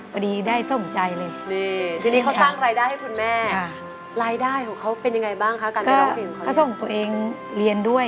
พอดีได้สมใจเลย